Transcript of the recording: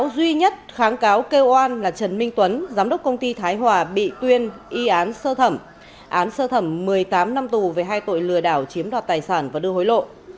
duy nhất kháng cáo kêu oan là trần minh tuấn giám đốc công ty thái hòa bị tuyên y án sơ thẩm án sơ thẩm một mươi tám năm tù về hai tội lừa đảo chiếm đoạt tài sản và đưa hối lộ